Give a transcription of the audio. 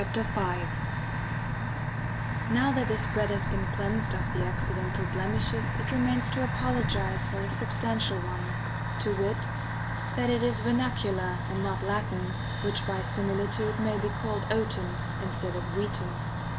] An Now that this bread has been cleansed of the apology accidental blemishes it remains to apologise for nacular ^ substantial one, to wit, that it is vernacular comment ^"^^ "ot Latin, which by similitude may be called oaten instead of wheaten.